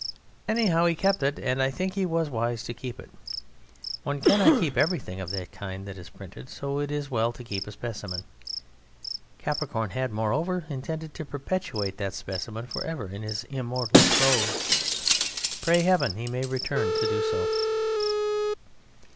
Anyhow he kept it, and I think he was wise to keep it. One cannot keep everything of that kind that is printed, so it is well to keep a specimen. Capricorn had, moreover, intended to perpetuate that specimen for ever in his immortal prose pray Heaven he may return to do so!